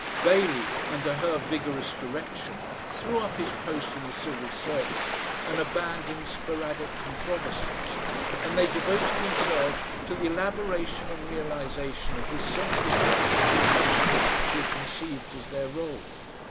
Bailey, under her vigorous direction, threw up his post in the Civil Service and abandoned sporadic controversies, and they devoted themselves to the elaboration and realisation of this centre of public information she had conceived as their role.